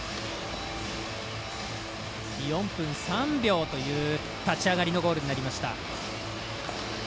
４分３秒という立ち上がりのゴールになりました。